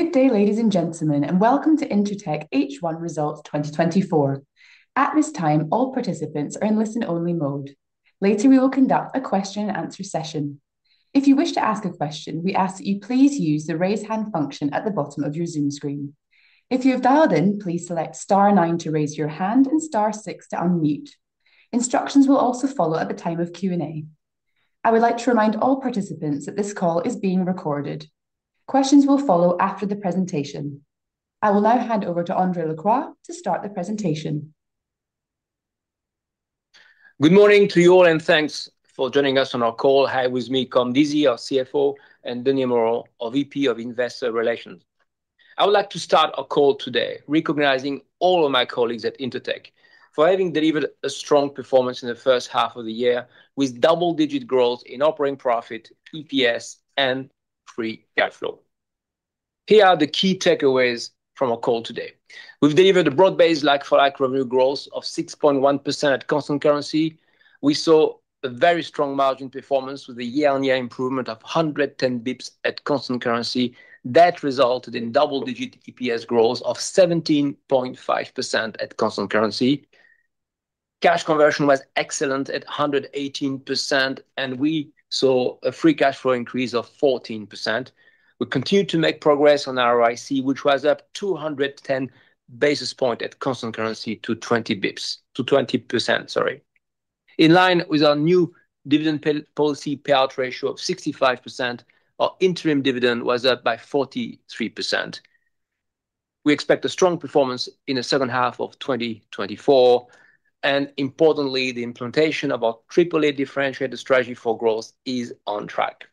Good day, ladies and gentlemen, and welcome to Intertek H1 Results 2024. At this time, all participants are in listen-only mode. Later, we will conduct a question-and-answer session. If you wish to ask a question, we ask that you please use the raise hand function at the bottom of your Zoom screen. If you have dialed in, please select star nine to raise your hand and star six to unmute. Instructions will also follow at the time of Q&A. I would like to remind all participants that this call is being recorded. Questions will follow after the presentation. I will now hand over to André Lacroix to start the presentation. Good morning to you all, and thanks for joining us on our call. Hi, with me, Colm Deasy, our CFO, and Denis Morrow, our VP of Investor Relations. I would like to start our call today recognizing all of my colleagues at Intertek for having delivered a strong performance in the first half of the year with double-digit growth in operating profit, EPS, and free cash flow. Here are the key takeaways from our call today. We've delivered a broad-based like-for-like revenue growth of 6.1% at constant currency. We saw a very strong margin performance with a year-on-year improvement of 110 bips at constant currency. That resulted in double-digit EPS growth of 17.5% at constant currency. Cash conversion was excellent at 118%, and we saw a free cash flow increase of 14%. We continued to make progress on our ROIC, which was up 210 basis points at constant currency to 20 basis points to 20%, sorry. In line with our new dividend policy payout ratio of 65%, our interim dividend was up by 43%. We expect a strong performance in the second half of 2024. And importantly, the implementation of our triple-A differentiator strategy for growth is on track.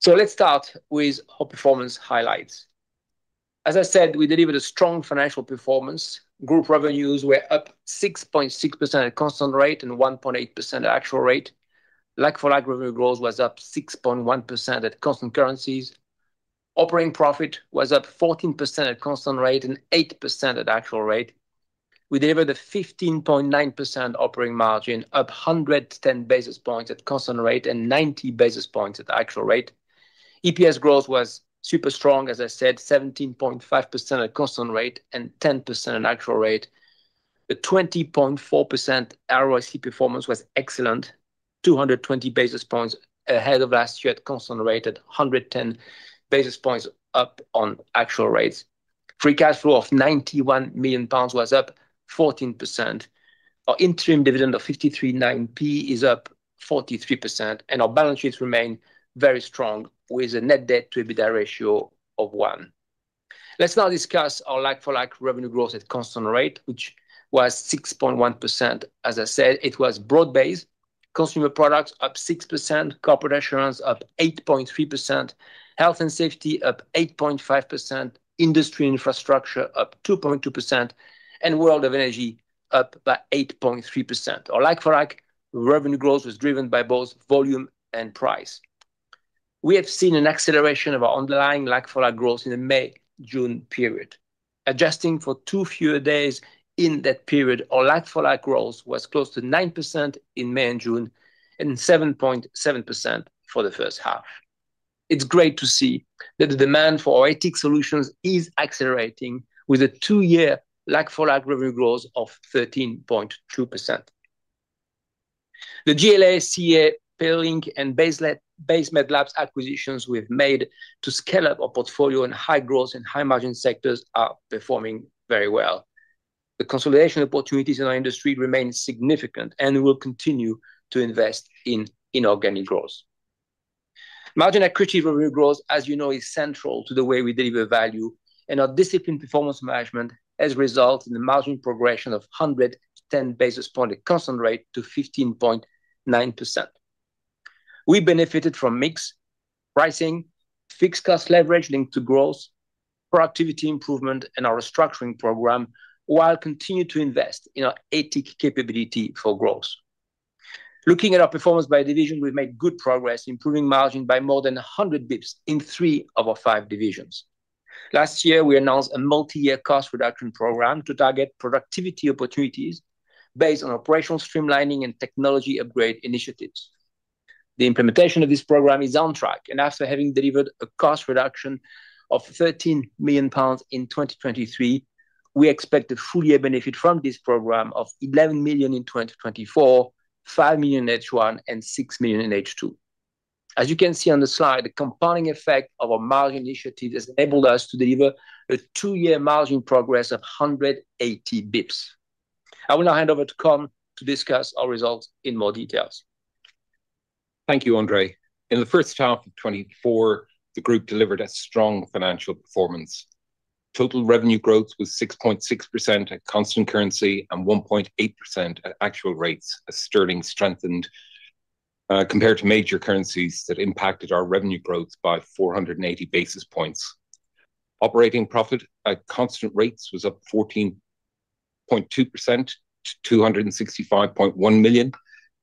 So let's start with our performance highlights. As I said, we delivered a strong financial performance. Group revenues were up 6.6% at constant rate and 1.8% at actual rate. Like-for-like revenue growth was up 6.1% at constant currencies. Operating profit was up 14% at constant rate and 8% at actual rate. We delivered a 15.9% operating margin, up 110 basis points at constant rate and 90 basis points at actual rate. EPS growth was super strong, as I said, 17.5% at constant rate and 10% at actual rate. The 20.4% ROIC performance was excellent, 220 basis points ahead of last year at constant rate at 110 basis points up on actual rates. Free cash flow of £91 million was up 14%. Our interim dividend of 53.9% is up 43%, and our balance sheets remain very strong with a net debt-to-EBITDA ratio of one. Let's now discuss our like-for-like revenue growth at constant rate, which was 6.1%. As I said, it was broad-based. Consumer Products up 6%, Corporate Assurance up 8.3%, Health and Safety up 8.5%, Industry and Infrastructure up 2.2%, and World of Energy up by 8.3%. Our like-for-like revenue growth was driven by both volume and price. We have seen an acceleration of our underlying like-for-like growth in the May-June period. Adjusting for 2 fewer days in that period, our like-for-like growth was close to 9% in May and June and 7.7% for the first half. It's great to see that the demand for our ATROIC solutions is accelerating with a 2-year like-for-like revenue growth of 13.2%. The CEA, PlayerLync and Base Met Labs acquisitions we've made to scale up our portfolio in high growth and high margin sectors are performing very well. The consolidation opportunities in our industry remain significant, and we will continue to invest in inorganic growth. Margin-accretive revenue growth, as you know, is central to the way we deliver value, and our disciplined performance management has resulted in the margin progression of 110 basis points at constant currency to 15.9%. We benefited from mixed pricing, fixed cost leverage linked to growth, productivity improvement, and our restructuring program, while continuing to invest in our ATROIC capability for growth. Looking at our performance by division, we've made good progress, improving margin by more than 100 bips in three of our five divisions. Last year, we announced a multi-year cost reduction program to target productivity opportunities based on operational streamlining and technology upgrade initiatives. The implementation of this program is on track, and after having delivered a cost reduction of 13 million pounds in 2023, we expect a full-year benefit from this program of 11 million in 2024, 5 million in H1, and 6 million in H2. As you can see on the slide, the compounding effect of our margin initiatives has enabled us to deliver a two-year margin progress of 180 bips. I will now hand over to Colm to discuss our results in more details. Thank you, André. In the first half of 2024, the group delivered a strong financial performance. Total revenue growth was 6.6% at constant currency and 1.8% at actual rates, as sterling strengthened compared to major currencies that impacted our revenue growth by 480 basis points. Operating profit at constant rates was up 14.2% to 265.1 million,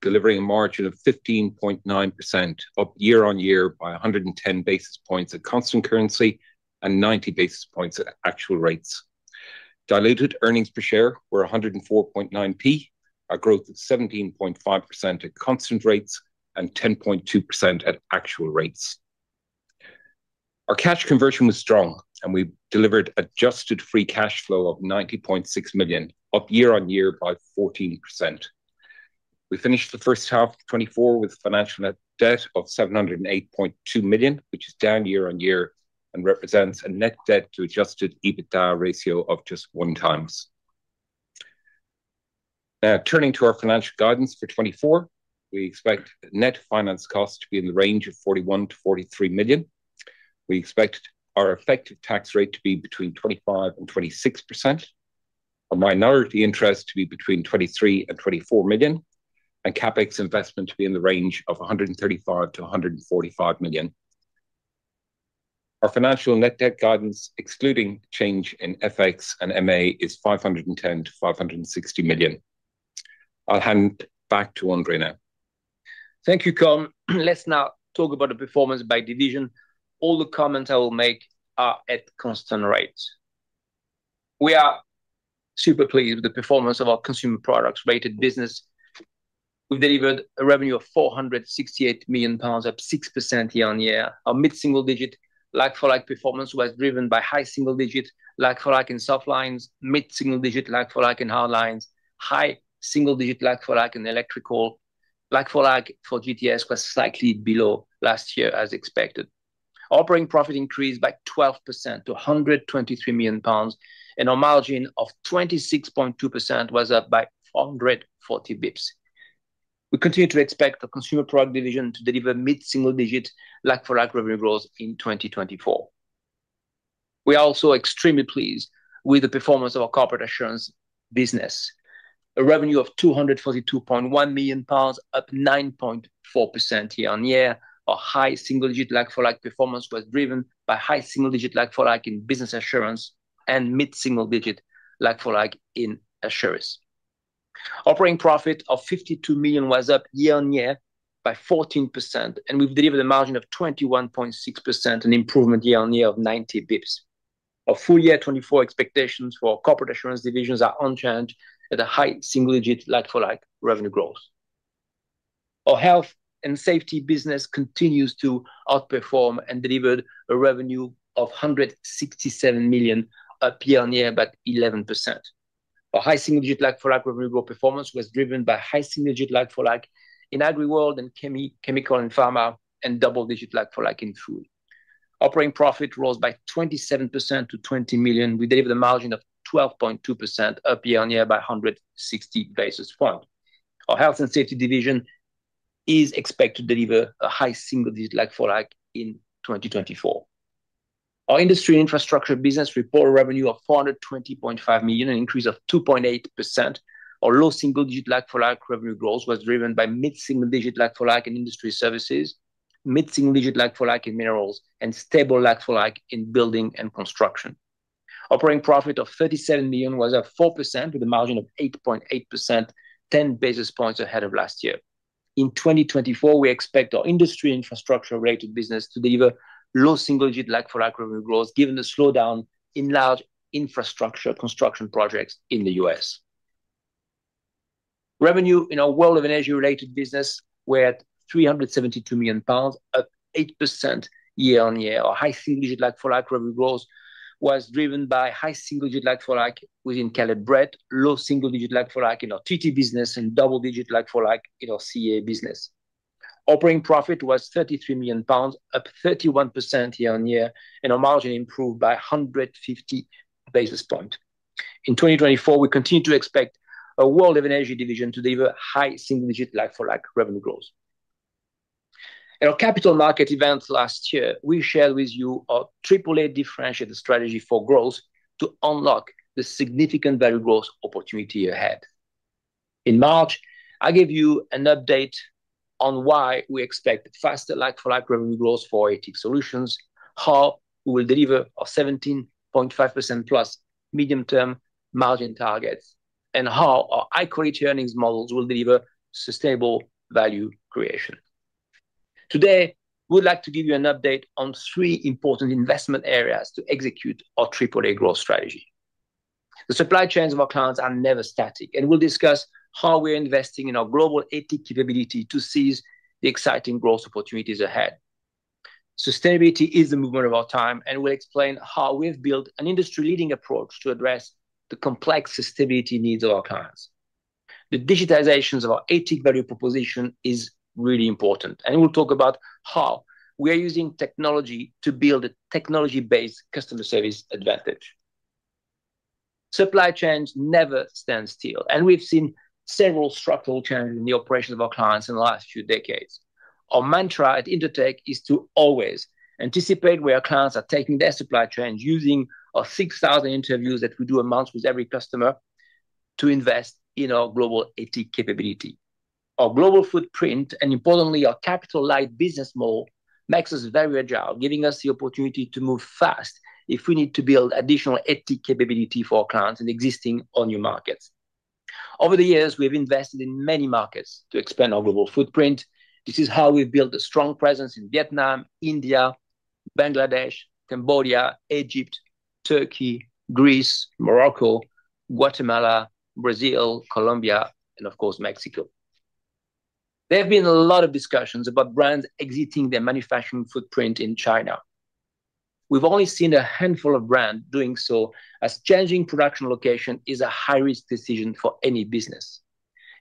delivering a margin of 15.9% up year-on-year by 110 basis points at constant currency and 90 basis points at actual rates. Diluted earnings per share were 104.9p, a growth of 17.5% at constant rates and 10.2% at actual rates. Our cash conversion was strong, and we delivered adjusted free cash flow of 90.6 million up year-on-year by 14%. We finished the first half of 2024 with a financial net debt of 708.2 million, which is down year-on-year and represents a net debt-to-adjusted EBITDA ratio of just 1x. Now, turning to our financial guidance for 2024, we expect net finance costs to be in the range of 41 million-43 million. We expect our effective tax rate to be between 25%-26%, our minority interest to be between 23 million-24 million, and CapEx investment to be in the range of 135 million-145 million. Our financial net debt guidance, excluding change in FX and MA, is 510 million-560 million. I'll hand back to André now. Thank you, Colm. Let's now talk about the performance by division. All the comments I will make are at constant rates. We are super pleased with the performance of our Consumer Products-related business. We've delivered a revenue of £468 million, up 6% year-on-year. Our mid-single-digit like-for-like performance was driven by high single-digit like-for-like in Softlines, mid-single-digit like-for-like in Hardlines, high single-digit like-for-like in Electrical. Like-for-like for GTS was slightly below last year, as expected. Operating profit increased by 12% to £123 million, and our margin of 26.2% was up by 440 bips. We continue to expect our Consumer Products division to deliver mid-single-digit like-for-like revenue growth in 2024. We are also extremely pleased with the performance of our Corporate Assurance business. A revenue of £242.1 million, up 9.4% year-on-year. Our high single-digit like-for-like performance was driven by high single-digit like-for-like in Business Assurance and mid-single-digit like-for-like in assurance. Operating profit of £52 million was up year-on-year by 14%, and we've delivered a margin of 21.6%, an improvement year-on-year of 90 basis points. Our full-year 2024 expectations for our Corporate Assurance divisions are unchanged at a high single-digit like-for-like revenue growth. Our Health and Safety business continues to outperform and delivered a revenue of £167 million year-on-year, about 11%. Our high single-digit like-for-like revenue growth performance was driven by high single-digit like-for-like in AgriWorld and Chemical and Pharma, and double-digit like-for-like in Food. Operating profit rose by 27% to £20 million. We delivered a margin of 12.2% up year-on-year by 160 basis points. Our Health and Safety division is expected to deliver a high single-digit like-for-like in 2024. Our Industry and Infrastructure business reported revenue of £420.5 million, an increase of 2.8%. Our low single-digit like-for-like revenue growth was driven by mid-single-digit like-for-like in Industry Services, mid-single-digit like-for-like in Minerals, and stable like-for-like in Building and Construction. Operating profit of £37 million was up 4%, with a margin of 8.8%, 10 basis points ahead of last year. In 2024, we expect our industry and infrastructure-related business to deliver low single-digit like-for-like revenue growth, given the slowdown in large infrastructure construction projects in the U.S. Revenue in our World of Energy-related business, we're at £372 million, up 8% year-on-year. Our high single-digit like-for-like revenue growth was driven by high single-digit like-for-like within Caleb Brett, low single-digit like-for-like in our TT business, and double-digit like-for-like in our CEA business. Operating profit was £33 million, up 31% year-on-year, and our margin improved by 150 basis points. In 2024, we continue to expect our World of Energy division to deliver high single-digit like-for-like revenue growth. At our capital market event last year, we shared with you our triple-A differentiator strategy for growth to unlock the significant value growth opportunity ahead. In March, I gave you an update on why we expect faster like-for-like revenue growth for ATIC solutions, how we will deliver our 17.5% plus medium-term margin targets, and how our high quality earnings models will deliver sustainable value creation. Today, we'd like to give you an update on three important investment areas to execute our triple-A growth strategy. The supply chains of our clients are never static, and we'll discuss how we're investing in our global ATIC capability to seize the exciting growth opportunities ahead. Sustainability is the movement of our time, and we'll explain how we've built an industry-leading approach to address the complex sustainability needs of our clients. The digitization of our ATIC value proposition is really important, and we'll talk about how we are using technology to build a technology-based customer service advantage. Supply chains never stand still, and we've seen several structural changes in the operations of our clients in the last few decades. Our mantra at Intertek is to always anticipate where our clients are taking their supply chains, using our 6,000 interviews that we do a month with every customer to invest in our global ATIC capability. Our global footprint, and importantly, our capital-light business model makes us very agile, giving us the opportunity to move fast if we need to build additional ATIC capability for our clients in existing or new markets. Over the years, we have invested in many markets to expand our global footprint. This is how we've built a strong presence in Vietnam, India, Bangladesh, Cambodia, Egypt, Turkey, Greece, Morocco, Guatemala, Brazil, Colombia, and of course, Mexico. There have been a lot of discussions about brands exiting their manufacturing footprint in China. We've only seen a handful of brands doing so, as changing production location is a high-risk decision for any business.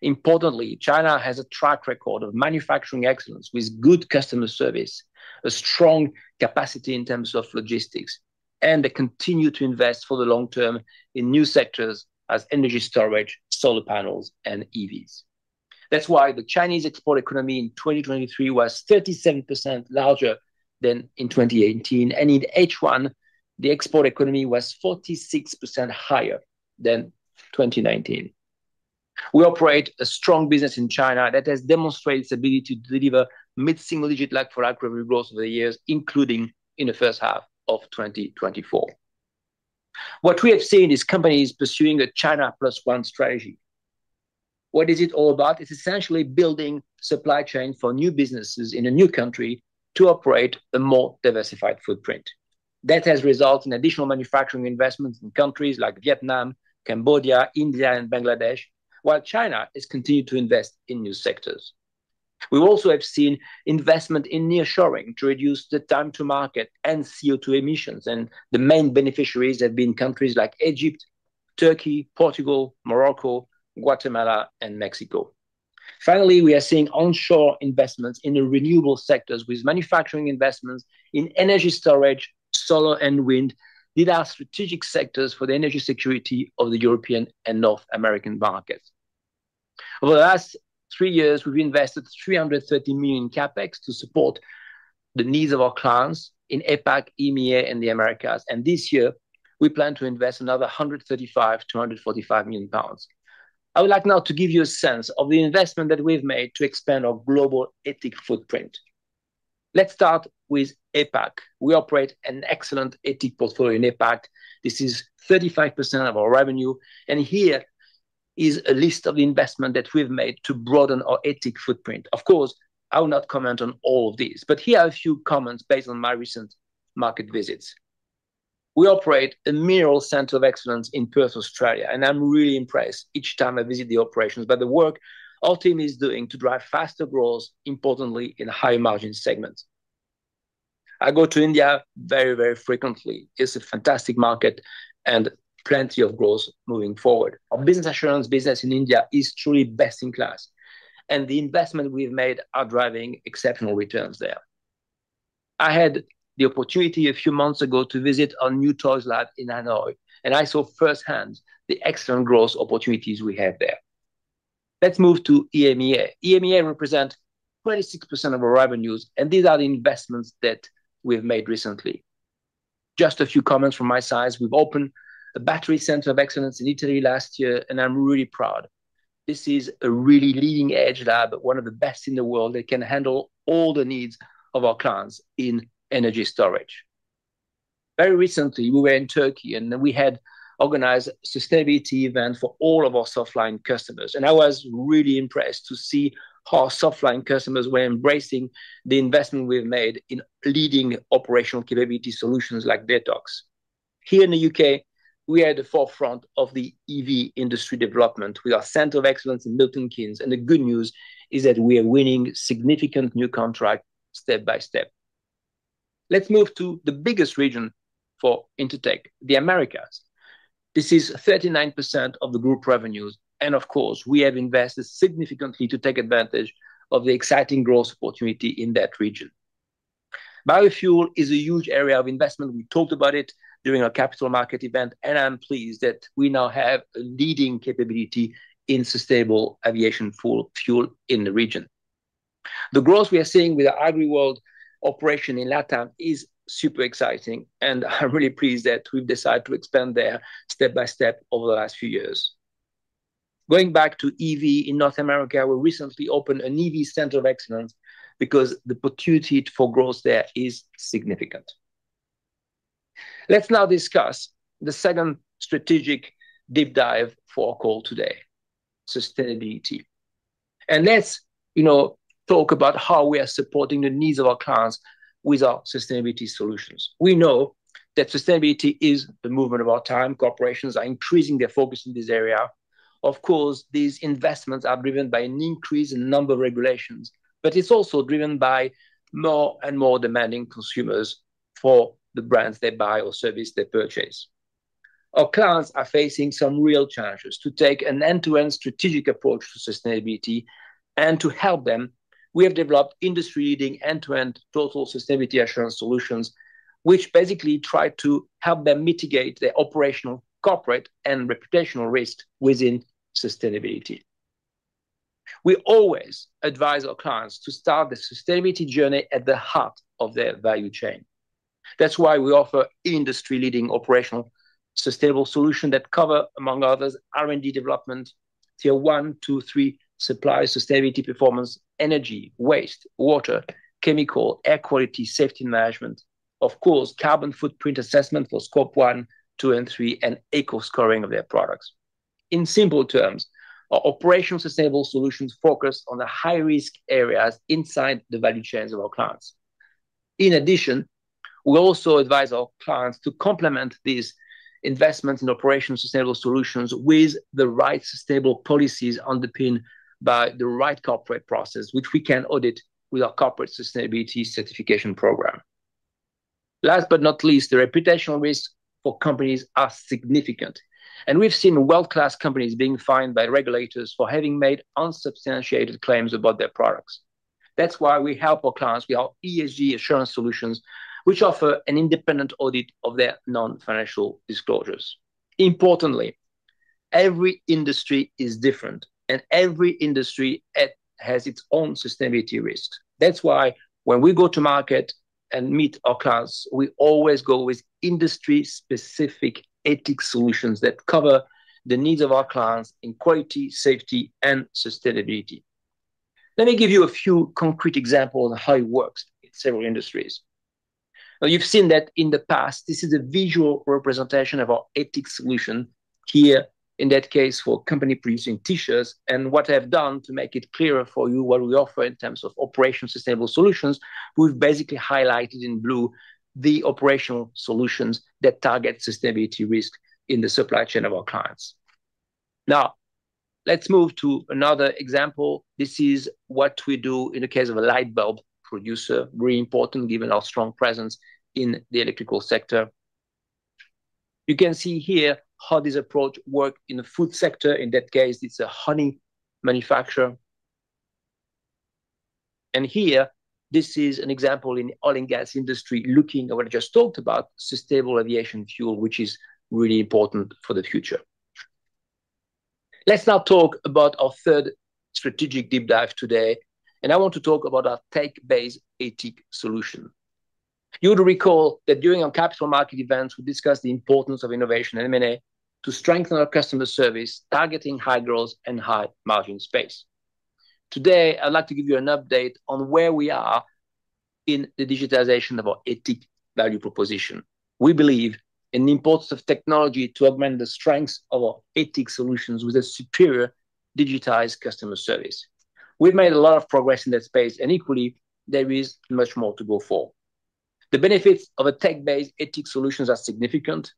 Importantly, China has a track record of manufacturing excellence with good customer service, a strong capacity in terms of logistics, and they continue to invest for the long term in new sectors as energy storage, solar panels, and EVs. That's why the Chinese export economy in 2023 was 37% larger than in 2018, and in H1, the export economy was 46% higher than 2019. We operate a strong business in China that has demonstrated its ability to deliver mid-single-digit like-for-like revenue growth over the years, including in the first half of 2024. What we have seen is companies pursuing a China plus one strategy. What is it all about? It's essentially building supply chains for new businesses in a new country to operate a more diversified footprint. That has resulted in additional manufacturing investments in countries like Vietnam, Cambodia, India, and Bangladesh, while China has continued to invest in new sectors. We also have seen investment in nearshoring to reduce the time to market and CO2 emissions, and the main beneficiaries have been countries like Egypt, Turkey, Portugal, Morocco, Guatemala, and Mexico. Finally, we are seeing onshore investments in the renewable sectors with manufacturing investments in energy storage, solar, and wind. These are strategic sectors for the energy security of the European and North American markets. Over the last three years, we've invested 330 million in CapEx to support the needs of our clients in APAC, EMEA, and the Americas, and this year, we plan to invest another 135 million-145 million pounds. I would like now to give you a sense of the investment that we've made to expand our global ATIC footprint. Let's start with APAC. We operate an excellent ATIC portfolio in APAC. This is 35% of our revenue, and here is a list of the investment that we've made to broaden our ATIC footprint. Of course, I will not comment on all of these, but here are a few comments based on my recent market visits. We operate a Minerals center of excellence in Perth, Australia, and I'm really impressed each time I visit the operations by the work our team is doing to drive faster growth, importantly, in high-margin segments. I go to India very, very frequently. It's a fantastic market and plenty of growth moving forward. Our Business Assurance business in India is truly best in class, and the investment we've made is driving exceptional returns there. I had the opportunity a few months ago to visit our new toys lab in Hanoi, and I saw firsthand the excellent growth opportunities we have there. Let's move to EMEA. EMEA represents 26% of our revenues, and these are the investments that we've made recently. Just a few comments from my side. We've opened a battery center of excellence in Italy last year, and I'm really proud. This is a really leading-edge lab, one of the best in the world that can handle all the needs of our clients in energy storage. Very recently, we were in Turkey, and we had organized a sustainability event for all of our softline customers, and I was really impressed to see how softline customers were embracing the investment we've made in leading operational capability solutions like Detox. Here in the UK, we are at the forefront of the EV industry development with our center of excellence in Milton Keynes, and the good news is that we are winning significant new contracts step by step. Let's move to the biggest region for Intertek, the Americas. This is 39% of the group revenues, and of course, we have invested significantly to take advantage of the exciting growth opportunity in that region. Biofuel is a huge area of investment. We talked about it during our capital market event, and I'm pleased that we now have a leading capability in sustainable aviation fuel in the region. The growth we are seeing with our AgriWorld operation in LATAM is super exciting, and I'm really pleased that we've decided to expand there step by step over the last few years. Going back to EV in North America, we recently opened an EV center of excellence because the opportunity for growth there is significant. Let's now discuss the second strategic deep dive for our call today, sustainability. Let's, you know, talk about how we are supporting the needs of our clients with our sustainability solutions. We know that sustainability is the movement of our time. Corporations are increasing their focus in this area. Of course, these investments are driven by an increase in the number of regulations, but it's also driven by more and more demanding consumers for the brands they buy or services they purchase. Our clients are facing some real challenges to take an end-to-end strategic approach to sustainability, and to help them, we have developed industry-leading end-to-end Total Sustainability Assurance solutions, which basically try to help them mitigate their operational, corporate, and reputational risk within sustainability. We always advise our clients to start the sustainability journey at the heart of their value chain. That's why we offer industry-leading operational sustainable solutions that cover, among others, R&D development, tier 1, 2, 3 supply sustainability performance, energy, waste, water, chemical, air quality, safety management, of course, carbon footprint assessment for Scope 1, 2, and 3, and eco-scoring of their products. In simple terms, our operational sustainable solutions focus on the high-risk areas inside the value chains of our clients. In addition, we also advise our clients to complement these investments in operational sustainable solutions with the right sustainable policies underpinned by the right corporate process, which we can audit with our corporate sustainability certification program. Last but not least, the reputational risks for companies are significant, and we've seen world-class companies being fined by regulators for having made unsubstantiated claims about their products. That's why we help our clients with our ESG assurance solutions, which offer an independent audit of their non-financial disclosures. Importantly, every industry is different, and every industry has its own sustainability risk. That's why when we go to market and meet our clients, we always go with industry-specific ATIC solutions that cover the needs of our clients in quality, safety, and sustainability. Let me give you a few concrete examples of how it works in several industries. Now, you've seen that in the past, this is a visual representation of our ATIC solution here, in that case, for company-producing t-shirts, and what I've done to make it clearer for you what we offer in terms of operational sustainable solutions, we've basically highlighted in blue the operational solutions that target sustainability risk in the supply chain of our clients. Now, let's move to another example. This is what we do in the case of a light bulb producer, really important given our strong presence in the Electrical sector. You can see here how this approach works in the Food sector. In that case, it's a honey manufacturer. And here, this is an example in the oil and gas industry looking at what I just talked about, sustainable aviation fuel, which is really important for the future. Let's now talk about our third strategic deep dive today, and I want to talk about our tech-based ATIC solution. You would recall that during our capital market events, we discussed the importance of innovation and M&A to strengthen our customer service, targeting high growth and high margin space. Today, I'd like to give you an update on where we are in the digitization of our ATIC value proposition. We believe in the importance of technology to augment the strengths of our ATIC solutions with a superior digitized customer service. We've made a lot of progress in that space, and equally, there is much more to go for. The benefits of a tech-based ATIC solution are significant.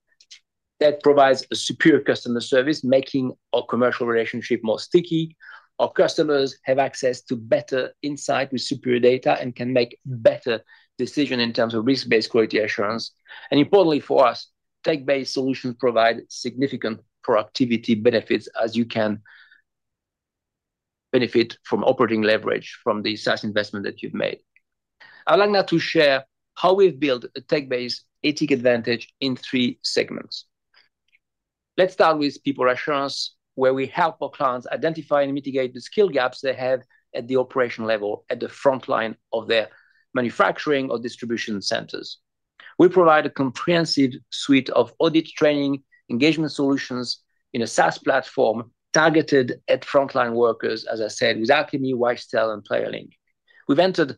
That provides a superior customer service, making our commercial relationship more sticky. Our customers have access to better insight with superior data and can make better decisions in terms of risk-based quality assurance. And importantly for us, tech-based solutions provide significant productivity benefits as you can benefit from operating leverage from the size investment that you've made. I'd like now to share how we've built a tech-based ATIC advantage in three segments. Let's start with people assurance, where we help our clients identify and mitigate the skill gaps they have at the operational level at the front line of their manufacturing or distribution centers. We provide a comprehensive suite of audit training engagement solutions in a SaaS platform targeted at frontline workers, as I said, with Alchemy, Wisetail, and PlayerLync. We've entered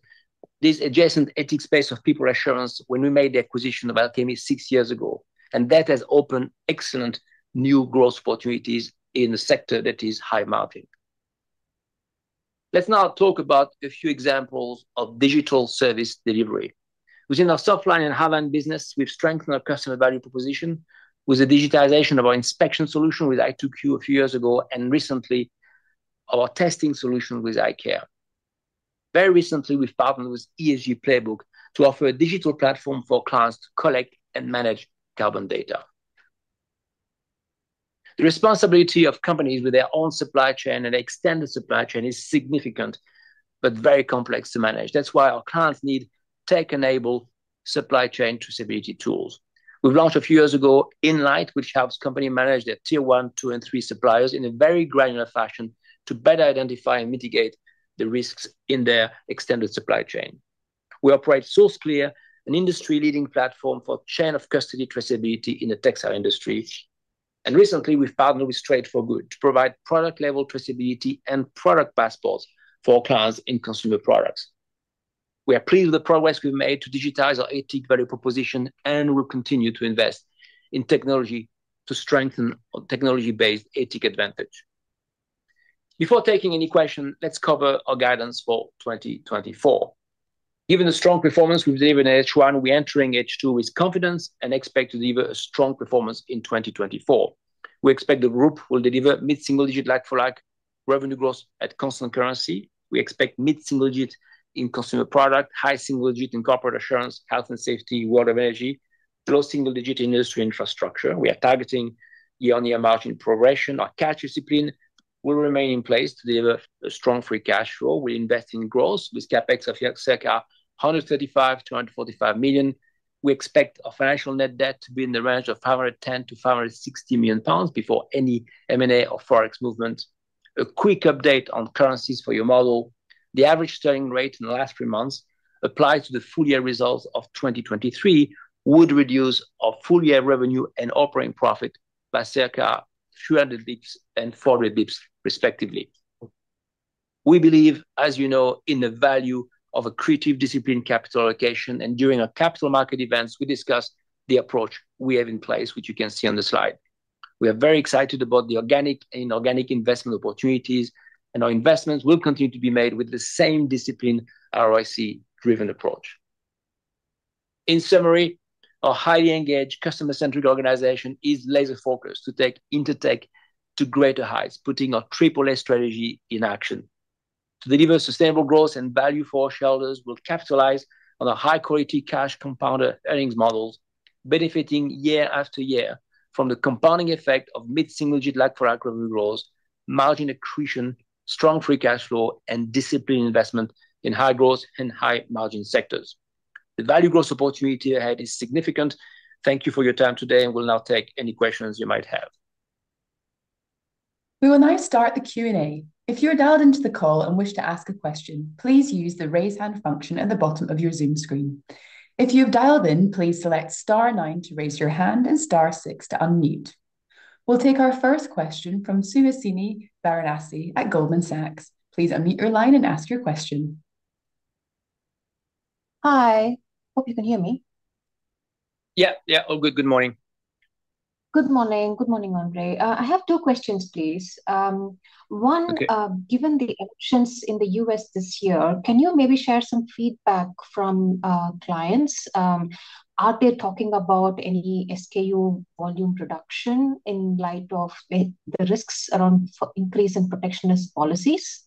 this adjacent ATIC space of people assurance when we made the acquisition of Alchemy six years ago, and that has opened excellent new growth opportunities in the sector that is high margin. Let's now talk about a few examples of digital service delivery. Within our softline and hardline business, we've strengthened our customer value proposition with the digitization of our inspection solution with i2Q a few years ago and recently our testing solution with iCare. Very recently, we've partnered with ESG Playbook to offer a digital platform for clients to collect and manage carbon data. The responsibility of companies with their own supply chain and extended supply chain is significant but very complex to manage. That's why our clients need tech-enabled supply chain traceability tools. We've launched a few years ago Inlight, which helps companies manage their tier 1, 2, and 3 suppliers in a very granular fashion to better identify and mitigate the risks in their extended supply chain. We operate SourceClear, an industry-leading platform for chain of custody traceability in the textile industry. Recently, we've partnered with Trace For Good to provide product-level traceability and product passports for our clients in consumer products. We are pleased with the progress we've made to digitize our ATIC value proposition, and we'll continue to invest in technology to strengthen our technology-based ATIC advantage. Before taking any questions, let's cover our guidance for 2024. Given the strong performance we've delivered in H1, we're entering H2 with confidence and expect to deliver a strong performance in 2024. We expect the group will deliver mid-single digit like-for-like revenue growth at constant currency. We expect mid-single digit in Consumer Products, high single digit in Corporate Assurance, Health and Safety, World of Energy, low single digit in Industry and Infrastructure. We are targeting year-on-year margin progression. Our cash discipline will remain in place to deliver a strong free cash flow. We invest in growth with CapEx of circa £135-£145 million. We expect our financial net debt to be in the range of £510-£560 million before any M&A or Forex movement. A quick update on currencies for your model. The average selling rate in the last three months applies to the full year results of 2023, which would reduce our full year revenue and operating profit by circa £300 and £400 respectively. We believe, as you know, in the value of a creative discipline capital allocation, and during our capital market events, we discuss the approach we have in place, which you can see on the slide. We are very excited about the organic and inorganic investment opportunities, and our investments will continue to be made with the same discipline ROIC-driven approach. In summary, our highly engaged customer-centric organization is laser-focused to take Intertek to greater heights, putting our triple-A strategy in action. To deliver sustainable growth and value for our shareholders, we'll capitalize on our high-quality cash compounder earnings models, benefiting year after year from the compounding effect of mid-single digit like-for-like revenue growth, margin accretion, strong free cash flow, and disciplined investment in high growth and high margin sectors. The value growth opportunity ahead is significant. Thank you for your time today, and we'll now take any questions you might have. We will now start the Q&A. If you are dialed into the call and wish to ask a question, please use the raise hand function at the bottom of your Zoom screen. If you have dialed in, please select star nine to raise your hand and star six to unmute. We'll take our first question from Suhasini Varanasi at Goldman Sachs. Please unmute your line and ask your question. Hi. Hope you can hear me. Yeah, yeah. All good. Good morning. Good morning. Good morning, André. I have two questions, please. One, given the elections in the US this year, can you maybe share some feedback from clients? Are they talking about any SKU volume reduction in light of the risks around increase in protectionist policies?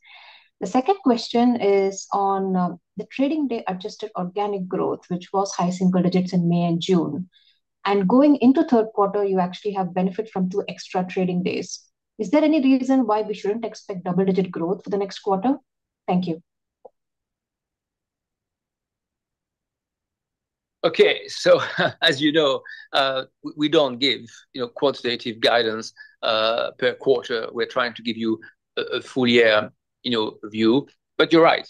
The second question is on the trading day adjusted organic growth, which was high single digits in May and June. Going into third quarter, you actually have benefit from 2 extra trading days. Is there any reason why we shouldn't expect double-digit growth for the next quarter? Thank you. Okay. As you know, we don't give quantitative guidance per quarter. We're trying to give you a full year view, but you're right.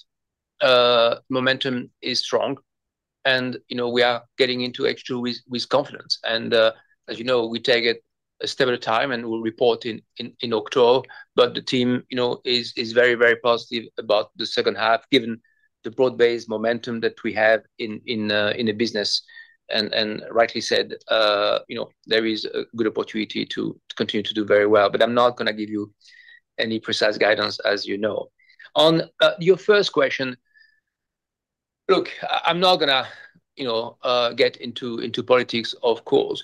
Momentum is strong, and we are getting into H2 with confidence. As you know, we take it a step at a time, and we'll report in October. The team is very, very positive about the second half, given the broad-based momentum that we have in the business. Rightly said, there is a good opportunity to continue to do very well. I'm not going to give you any precise guidance, as you know. On your first question, look, I'm not going to get into politics, of course.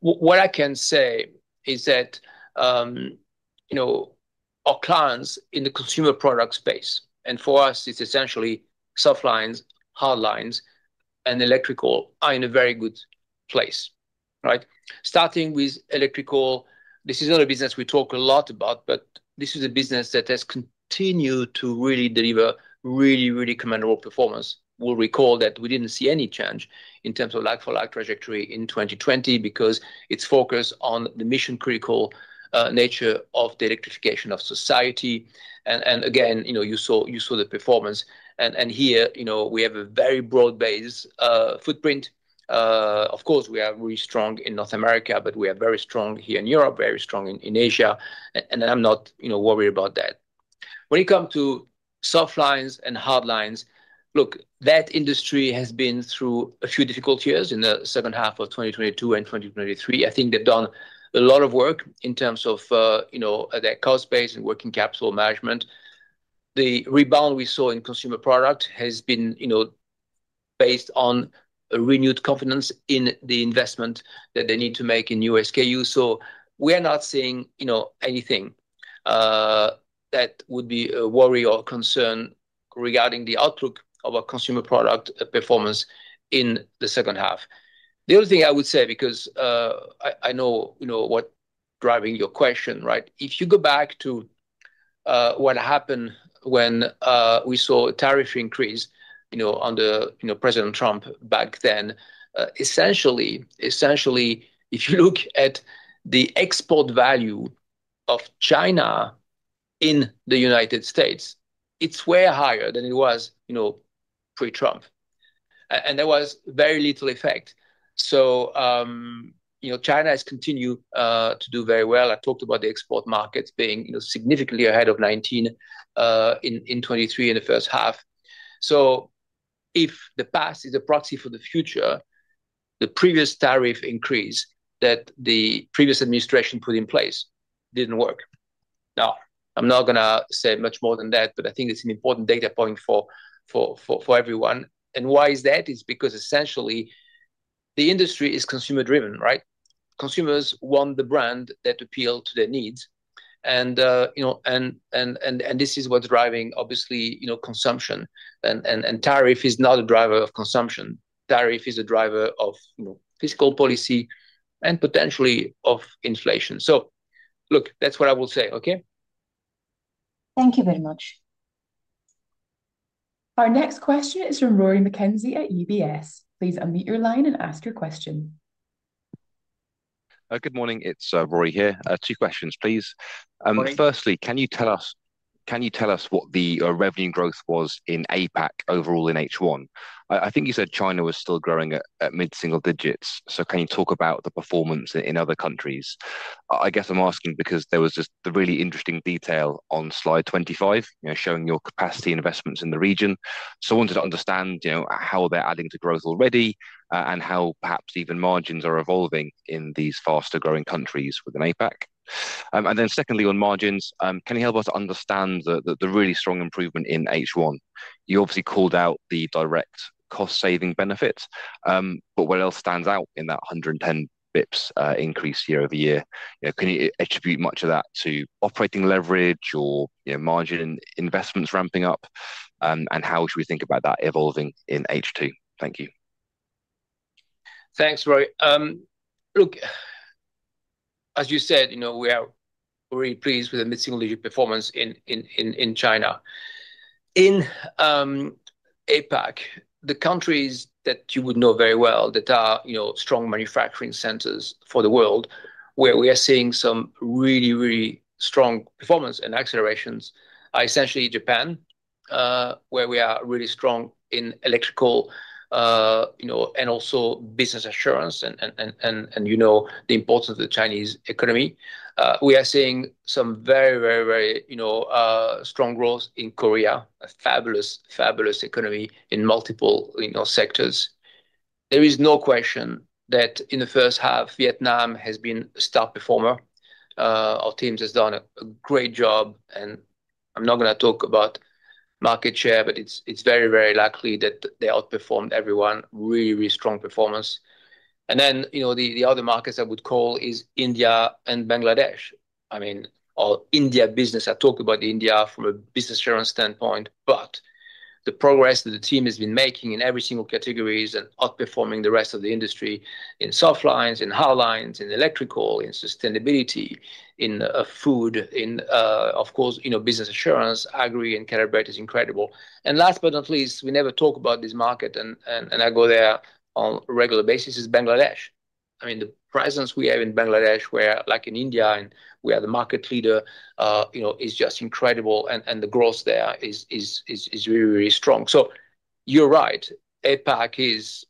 What I can say is that our clients in the consumer product space, and for us, it's essentially Softlines, Hardlines, and Electrical are in a very good place. Right? Starting with Electrical, this is not a business we talk a lot about, but this is a business that has continued to really deliver really, really commendable performance. We'll recall that we didn't see any change in terms of like-for-like trajectory in 2020 because it's focused on the mission-critical nature of the electrification of society. And again, you saw the performance. And here, we have a very broad-based footprint. Of course, we are really strong in North America, but we are very strong here in Europe, very strong in Asia, and I'm not worried about that. When it comes to Softlines and Hardlines, look, that industry has been through a few difficult years in the second half of 2022 and 2023. I think they've done a lot of work in terms of their cost base and working capital management. The rebound we saw in consumer product has been based on a renewed confidence in the investment that they need to make in new SKUs. So we are not seeing anything that would be a worry or concern regarding the outlook of our consumer product performance in the second half. The only thing I would say, because I know what's driving your question, right? If you go back to what happened when we saw a tariff increase under President Trump back then, essentially, if you look at the export value of China in the United States, it's way higher than it was pre-Trump. There was very little effect. So China has continued to do very well. I talked about the export markets being significantly ahead of 2019 in 2023 in the first half. So if the past is a proxy for the future, the previous tariff increase that the previous administration put in place didn't work. Now, I'm not going to say much more than that, but I think it's an important data point for everyone. And why is that? It's because essentially, the industry is consumer-driven, right? Consumers want the brand that appeals to their needs. And this is what's driving, obviously, consumption. And tariff is not a driver of consumption. Tariff is a driver of fiscal policy and potentially of inflation. So look, that's what I will say, okay? Thank you very much. Our next question is from Rory McKenzie at UBS. Please unmute your line and ask your question. Good morning. It's Rory here. Two questions, please. Firstly, can you tell us what the revenue growth was in APAC overall in H1? I think you said China was still growing at mid-single digits. So can you talk about the performance in other countries? I guess I'm asking because there was just the really interesting detail on slide 25, showing your capacity investments in the region. So I wanted to understand how they're adding to growth already and how perhaps even margins are evolving in these faster-growing countries within APAC. And then secondly, on margins, can you help us understand the really strong improvement in H1? You obviously called out the direct cost-saving benefits, but what else stands out in that 110 basis points increase year over year? Can you attribute much of that to operating leverage or margin investments ramping up? And how should we think about that evolving in H2? Thank you. Thanks, Rory. Look, as you said, we are really pleased with the mid-single digit performance in China. In APAC, the countries that you would know very well that are strong manufacturing centers for the world, where we are seeing some really, really strong performance and accelerations, are essentially Japan, where we are really strong in Electrical and also Business Assurance and the importance of the Chinese economy. We are seeing some very, very, very strong growth in Korea, a fabulous, fabulous economy in multiple sectors. There is no question that in the first half, Vietnam has been a star performer. Our teams have done a great job. And I'm not going to talk about market share, but it's very, very likely that they outperformed everyone, really, really strong performance. And then the other markets I would call is India and Bangladesh. I mean, our India business, I talk about India from a Business Assurance standpoint, but the progress that the team has been making in every single category is outperforming the rest of the industry in Softlines, in Hardlines, in Electrical, in sustainability, in Food, in, of course, Business Assurance, agri and calibrate is incredible. And last but not least, we never talk about this market, and I go there on a regular basis, is Bangladesh. I mean, the presence we have in Bangladesh, where like in India, and we are the market leader, is just incredible. And the growth there is really, really strong. So you're right. APAC is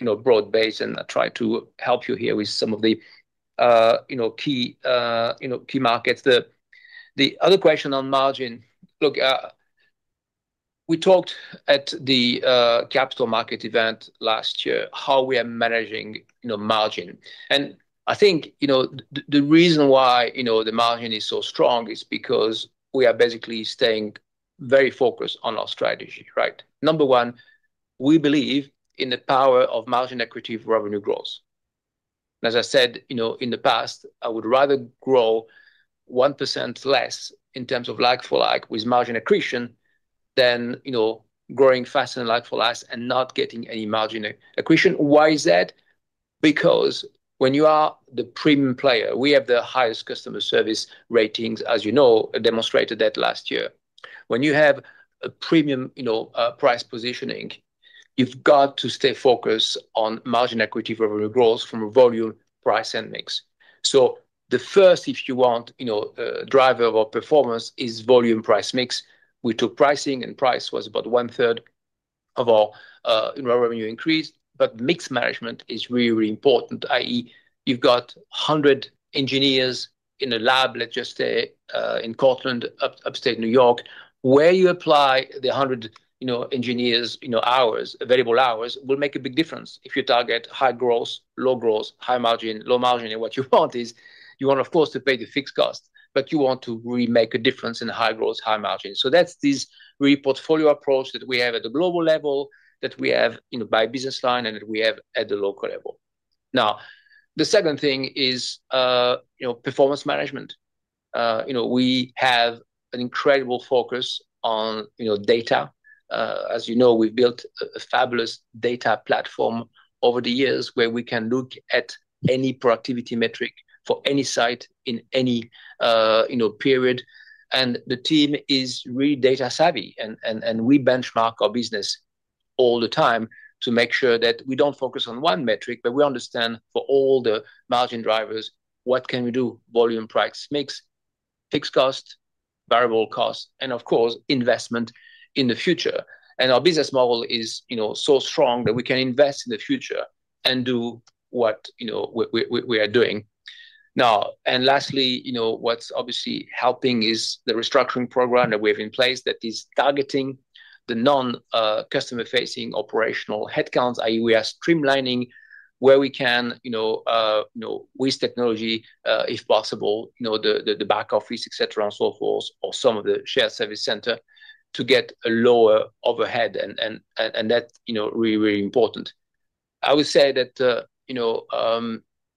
broad-based, and I try to help you here with some of the key markets. The other question on margin, look, we talked at the capital market event last year how we are managing margin. I think the reason why the margin is so strong is because we are basically staying very focused on our strategy, right? Number one, we believe in the power of margin equity revenue growth. As I said in the past, I would rather grow 1% less in terms of like-for-like with margin accretion than growing faster than like-for-like and not getting any margin accretion. Why is that? Because when you are the premium player, we have the highest customer service ratings, as you know, demonstrated that last year. When you have a premium price positioning, you've got to stay focused on margin equity revenue growth from a volume, price and mix. So the first, if you want, driver of our performance is volume, price and mix. We took pricing, and price was about one-third of our revenue increase. But mix management is really, really important, i.e., you've got 100 engineers in a lab, let's just say, in Cortland, New York, where you apply the 100 engineers' available hours will make a big difference. If you target high growth, low growth, high margin, low margin, and what you want is you want, of course, to pay the fixed cost, but you want to really make a difference in high growth, high margin. So that's this really portfolio approach that we have at the global level, that we have by business line, and that we have at the local level. Now, the second thing is performance management. We have an incredible focus on data. As you know, we've built a fabulous data platform over the years where we can look at any productivity metric for any site in any period. The team is really data savvy, and we benchmark our business all the time to make sure that we don't focus on one metric, but we understand for all the margin drivers, what can we do? Volume price mix, fixed cost, variable cost, and of course, investment in the future. Our business model is so strong that we can invest in the future and do what we are doing. Now, lastly, what's obviously helping is the restructuring program that we have in place that is targeting the non-customer-facing operational headcounts, i.e., we are streamlining where we can with technology, if possible, the back office, etc., and so forth, or some of the shared service center to get a lower overhead. And that's really, really important. I would say that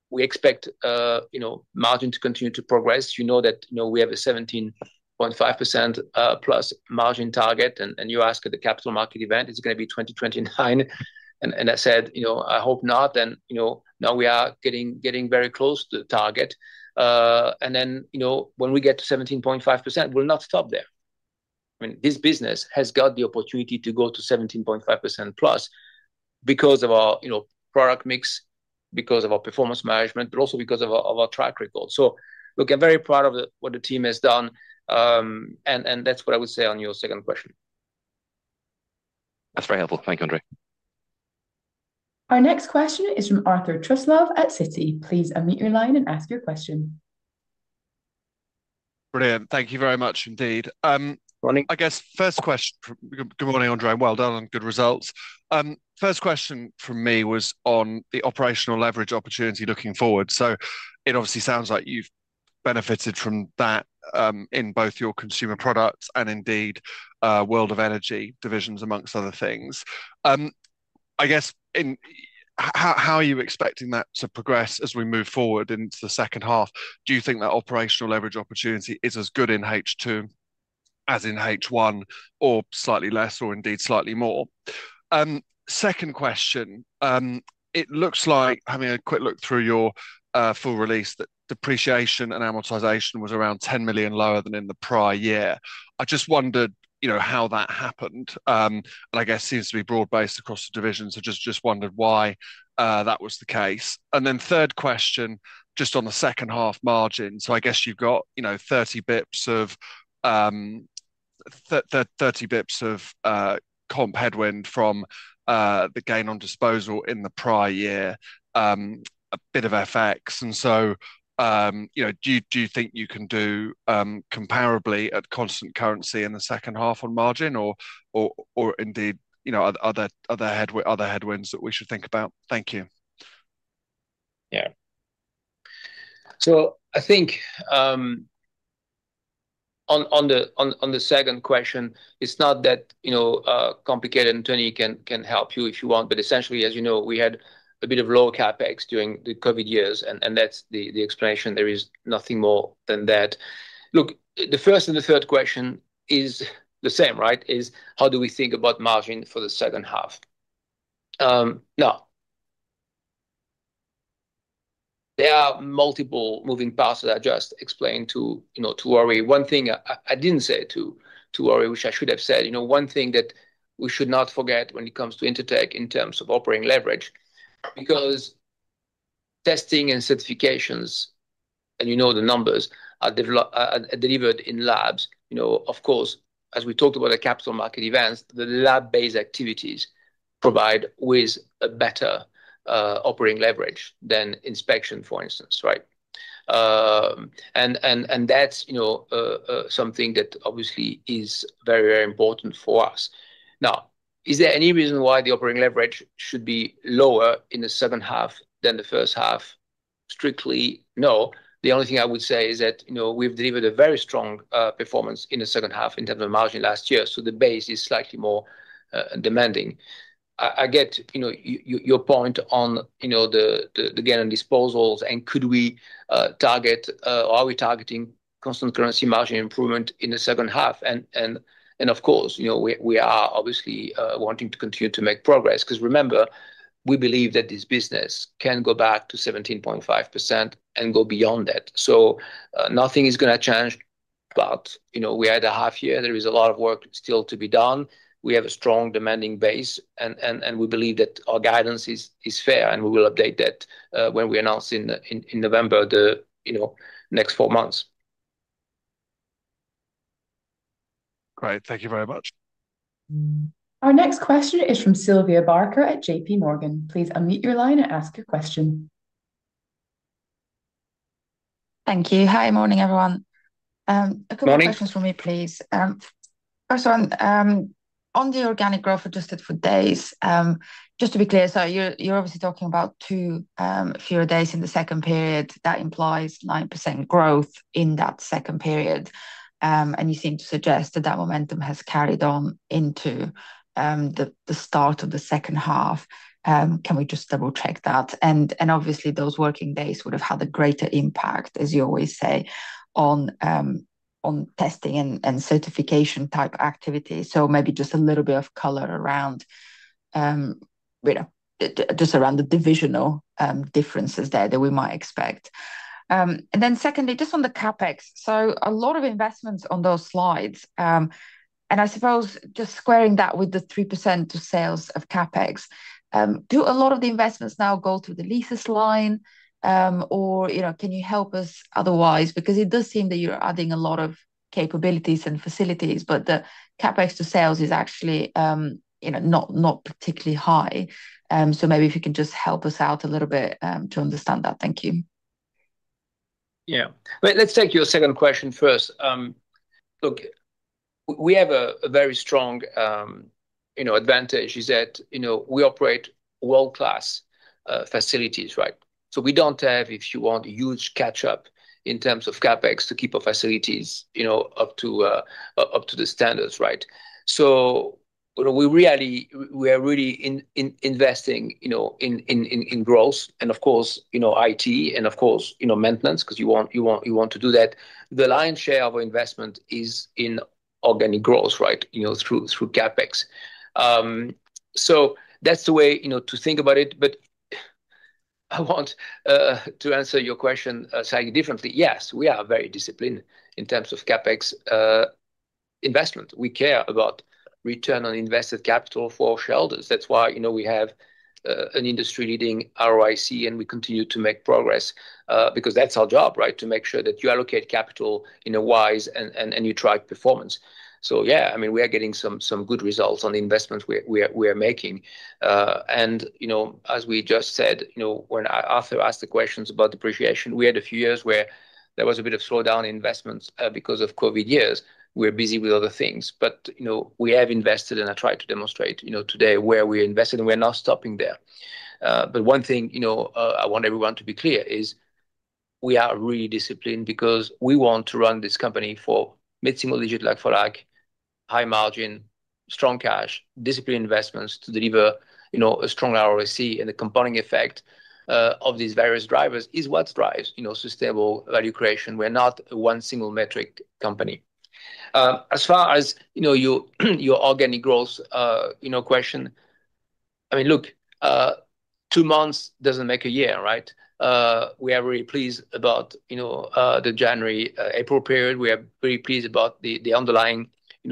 we expect margin to continue to progress. You know that we have a 17.5%+ margin target, and you ask at the capital market event, it's going to be 2029. And I said, "I hope not." And now we are getting very close to the target. And then when we get to 17.5%, we'll not stop there. I mean, this business has got the opportunity to go to 17.5%+ because of our product mix, because of our performance management, but also because of our track record. So look, I'm very proud of what the team has done. And that's what I would say on your second question. That's very helpful. Thank you, André. Our next question is from Arthur Truslove at Citi. Please unmute your line and ask your question. Brilliant. Thank you very much indeed. I guess first question. Good morning, André. Well done on good results. First question from me was on the operational leverage opportunity looking forward. So it obviously sounds like you've benefited from that in both your consumer products and indeed World of Energy divisions, amongst other things. I guess, how are you expecting that to progress as we move forward into the second half? Do you think that operational leverage opportunity is as good in H2 as in H1 or slightly less or indeed slightly more? Second question, it looks like having a quick look through your full release that depreciation and amortization was around 10 million lower than in the prior year. I just wondered how that happened. And I guess seems to be broad-based across the divisions. I just wondered why that was the case. And then third question, just on the second half margin. So, I guess you've got 30 basis points of comp headwind from the gain on disposal in the prior year, a bit of FX. And so do you think you can do comparably at constant currency in the second half on margin or indeed other headwinds that we should think about? Thank you. Yeah. So I think on the second question, it's not that complicated and Tony can help you if you want, but essentially, as you know, we had a bit of lower CapEx during the COVID years, and that's the explanation. There is nothing more than that. Look, the first and the third question is the same, right? Is how do we think about margin for the second half? Now, there are multiple moving parts that I just explained to Rory. One thing I didn't say to Rory, which I should have said, one thing that we should not forget when it comes to Intertek in terms of operating leverage, because testing and certifications, and you know the numbers, are delivered in labs. Of course, as we talked about the capital market events, the lab-based activities provide with a better operating leverage than inspection, for instance, right? And that's something that obviously is very, very important for us. Now, is there any reason why the operating leverage should be lower in the second half than the first half? Strictly, no. The only thing I would say is that we've delivered a very strong performance in the second half in terms of margin last year. So the base is slightly more demanding. I get your point on the gain on disposals, and could we target, or are we targeting constant currency margin improvement in the second half? And of course, we are obviously wanting to continue to make progress because remember, we believe that this business can go back to 17.5% and go beyond that. So nothing is going to change, but we had a half year. There is a lot of work still to be done. We have a strong demanding base, and we believe that our guidance is fair, and we will update that when we announce in November the next four months. Great. Thank you very much. Our next question is from Sylvia Barker at J.P. Morgan. Please unmute your line and ask your question. Thank you. Hi, morning, everyone. A couple of questions for me, please. First one, on the organic growth adjusted for days, just to be clear, sorry, you're obviously talking about 2 fewer days in the second period. That implies 9% growth in that second period. And you seem to suggest that that momentum has carried on into the start of the second half. Can we just double-check that? And obviously, those working days would have had a greater impact, as you always say, on testing and certification type activity. So maybe just a little bit of color around just around the divisional differences there that we might expect. And then secondly, just on the CapEx, so a lot of investments on those slides. And I suppose just squaring that with the 3% to sales of CapEx; do a lot of the investments now go to the leases line, or can you help us otherwise? Because it does seem that you're adding a lot of capabilities and facilities, but the CapEx to sales is actually not particularly high. So maybe if you can just help us out a little bit to understand that. Thank you. Yeah. Let's take your second question first. Look, we have a very strong advantage is that we operate world-class facilities, right? So we don't have, if you want, a huge catch-up in terms of CapEx to keep our facilities up to the standards, right? So we are really investing in growth and, of course, IT and, of course, maintenance because you want to do that. The lion's share of our investment is in organic growth, right, through CapEx. So that's the way to think about it. But I want to answer your question slightly differently. Yes, we are very disciplined in terms of CapEx investment. We care about return on invested capital for our shareholders. That's why we have an industry-leading ROIC, and we continue to make progress because that's our job, right, to make sure that you allocate capital in a wise and optimal performance. So yeah, I mean, we are getting some good results on the investments we are making. And as we just said, when Arthur asked the questions about depreciation, we had a few years where there was a bit of slowdown in investments because of COVID years. We're busy with other things. But we have invested, and I tried to demonstrate today where we are invested, and we are not stopping there. But one thing I want everyone to be clear is we are really disciplined because we want to run this company for mid-single digit like-for-like, high margin, strong cash, disciplined investments to deliver a strong ROIC, and the compounding effect of these various drivers is what drives sustainable value creation. We are not a one-single metric company. As far as your organic growth question, I mean, look, two months doesn't make a year, right? We are very pleased about the January-April period. We are very pleased about the underlying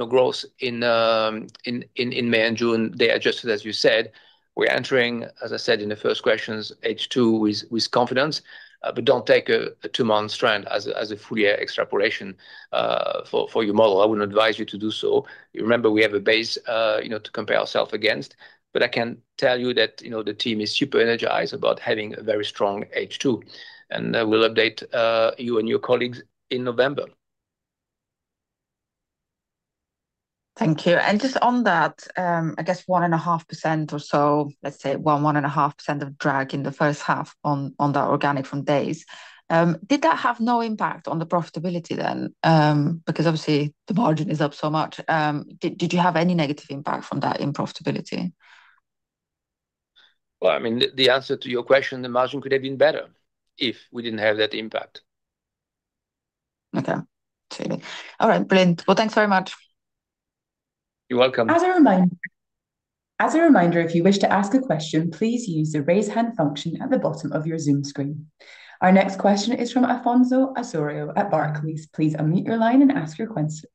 growth in May and June. They adjusted, as you said. We're entering, as I said in the first questions, H2 with confidence, but don't take a two-month trend as a full-year extrapolation for your model. I wouldn't advise you to do so. Remember, we have a base to compare ourselves against. But I can tell you that the team is super energized about having a very strong H2. And we'll update you and your colleagues in November. Thank you. And just on that, I guess 1.5% or so, let's say 1.5% of drag in the first half on the organic from days. Did that have no impact on the profitability then? Because obviously, the margin is up so much. Did you have any negative impact from that in profitability? Well, I mean, the answer to your question, the margin could have been better if we didn't have that impact. Okay. All right. Brilliant. Well, thanks very much. You're welcome. As a reminder, if you wish to ask a question, please use the raise hand function at the bottom of your Zoom screen. Our next question is from Alfonso Straffon at Barclays. Please unmute your line and ask your question.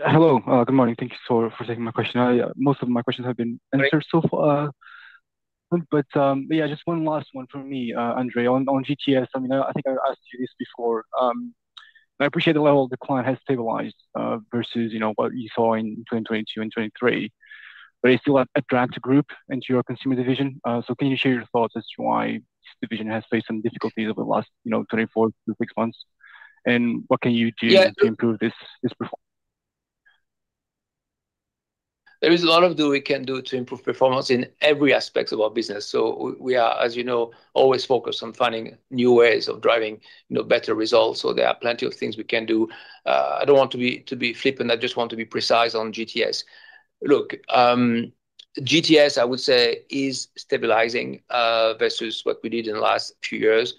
Hello. Good morning. Thank you for taking my question. Most of my questions have been answered so far. But yeah, just one last one from me, André. On GTS, I mean, I think I asked you this before. I appreciate the level of decline has stabilized versus what you saw in 2022 and 2023. But it's still a drag to group into your consumer division. So can you share your thoughts as to why this division has faced some difficulties over the last 24 to 6 months? And what can you do to improve this performance? There is a lot we can do to improve performance in every aspect of our business. So we are, as you know, always focused on finding new ways of driving better results. So there are plenty of things we can do. I don't want to be flippant. I just want to be precise on GTS. Look, GTS, I would say, is stabilizing versus what we did in the last few years.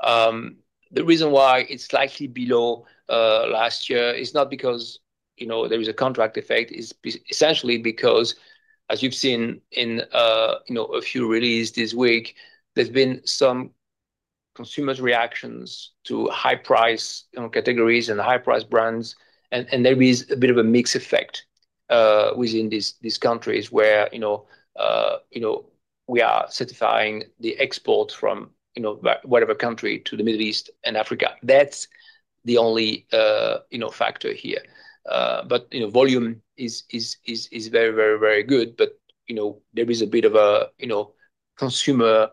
The reason why it's slightly below last year is not because there is a contract effect. It's essentially because, as you've seen in a few releases this week, there's been some consumers' reactions to high-price categories and high-price brands. And there is a bit of a mixed effect within these countries where we are certifying the export from whatever country to the Middle East and Africa. That's the only factor here. But volume is very, very, very good. But there is a bit of a consumer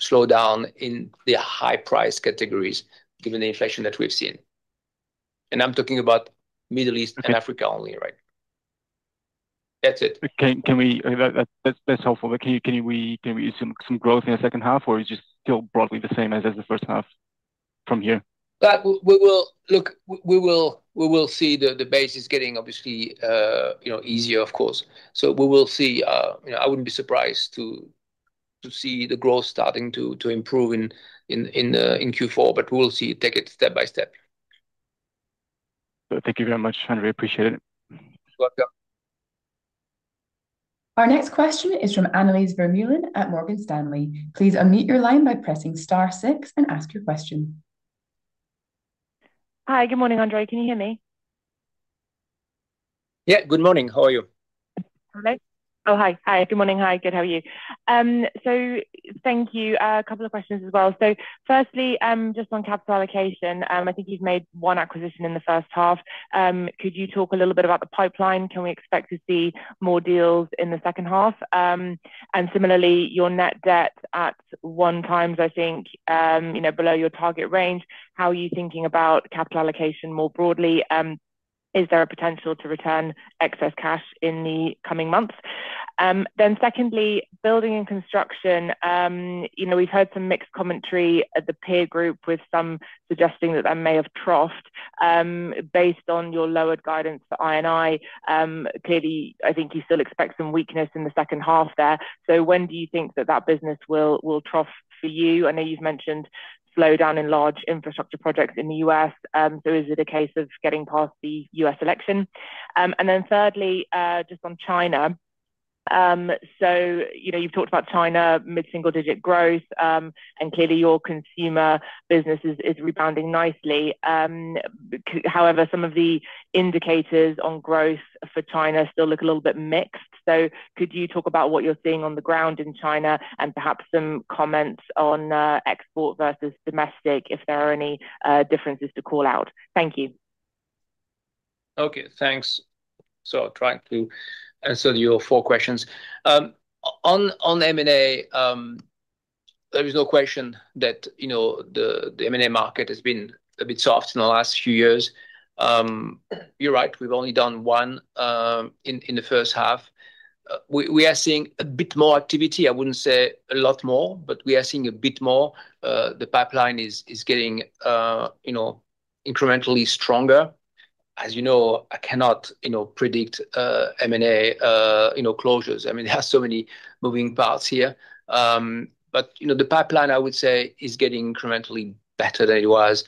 slowdown in the high-price categories given the inflation that we've seen. And I'm talking about Middle East and Africa only, right? That's it. That's helpful. But can we see some growth in the second half, or is it still broadly the same as the first half from here? Look, we will see the base is getting obviously easier, of course. So we will see. I wouldn't be surprised to see the growth starting to improve in Q4, but we will see it take it step by step. Thank you very much, André. Appreciate it. You're welcome. Our next question is from Annelies Vermeulen at Morgan Stanley. Please unmute your line by pressing star six and ask your question. Hi. Good morning, André. Can you hear me? Yeah. Good morning. How are you? Oh, hi. Hi. Good morning. Hi. Good. How are you? So thank you. A couple of questions as well. So firstly, just on capital allocation, I think you've made one acquisition in the first half. Could you talk a little bit about the pipeline? Can we expect to see more deals in the second half? And similarly, your net debt at one time, I think, below your target range. How are you thinking about capital allocation more broadly? Is there a potential to return excess cash in the coming months? Then secondly, Building and Construction, we've heard some mixed commentary at the peer group with some suggesting that they may have troughed based on your lowered guidance for I&I. Clearly, I think you still expect some weakness in the second half there. So when do you think that that business will trough for you? I know you've mentioned slowdown in large infrastructure projects in the U.S. So is it a case of getting past the U.S. election? And then thirdly, just on China. So you've talked about China, mid-single-digit growth, and clearly your consumer business is rebounding nicely. However, some of the indicators on growth for China still look a little bit mixed. So could you talk about what you're seeing on the ground in China and perhaps some comments on export versus domestic if there are any differences to call out? Thank you. Okay. Thanks. So trying to answer your four questions. On M&A, there is no question that the M&A market has been a bit soft in the last few years. You're right. We've only done one in the first half. We are seeing a bit more activity. I wouldn't say a lot more, but we are seeing a bit more. The pipeline is getting incrementally stronger. As you know, I cannot predict M&A closures. I mean, there are so many moving parts here. But the pipeline, I would say, is getting incrementally better than it was